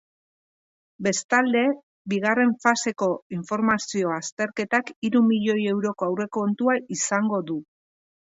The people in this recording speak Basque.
Bestalde, bigarren faseko informazio azterketak hiru milioi euroko aurrekontua izango du.